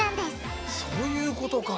そういうことか！